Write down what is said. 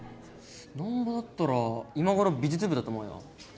難破だったら今ごろ美術部だと思うよ。